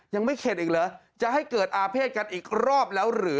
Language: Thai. เข็ดอีกเหรอจะให้เกิดอาเภษกันอีกรอบแล้วหรือ